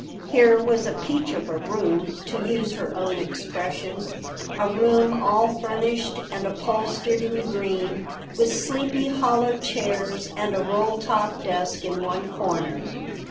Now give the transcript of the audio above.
Here was a peach of a room, to use her own expression—a room all furnished and upholstered in green, with sleepy hollow chairs and a roll top desk in one corner.